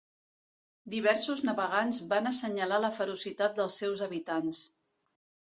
Diversos navegants van assenyalar la ferocitat dels seus habitants.